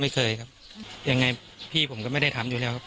ไม่เคยครับยังไงพี่ผมก็ไม่ได้ทำอยู่แล้วครับ